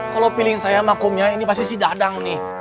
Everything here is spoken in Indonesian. kalau pilih saya makumnya ini pasti si dadang nih